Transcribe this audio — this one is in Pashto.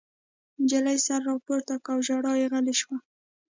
نجلۍ سر راپورته کړ او ژړا یې غلې شوه